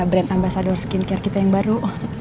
brand ambasador skincare kita yang baru